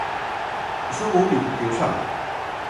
Son o único que o sabe.